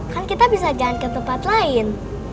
kan kita bisa jalan ke tempat lain